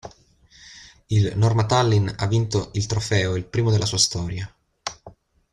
Il Norma Tallinn ha vinto il trofeo, il primo della sua storia.